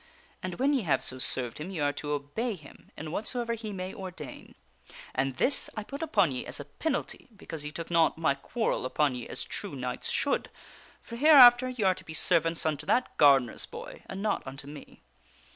And when ye have so served him, ye are to obey him in whatsoever he may ordain. And this I put upon ye as a penalty because ye took not my quarrel upon ye as true knights should, for here after ye are to be servants unto that gardener's boy and not unto me.